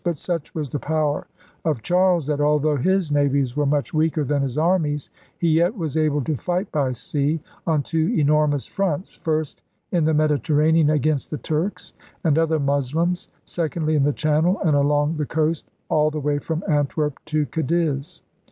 But such was the power of Charles that, although his navies were much weaker than his armies, he yet was able to fight by sea on two enormous fronts, first, in the Mediterranean against the Turks and other Moslems, secondly, in the Channel and along the coast, all the way from Antwerp to Cadiz.